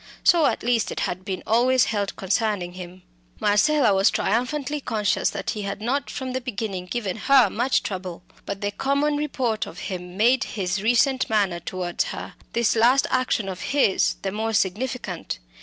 So, at least, it had been always held concerning him. Marcella was triumphantly conscious that he had not from the beginning given her much trouble. But the common report of him made his recent manner towards her, this last action of his, the more significant.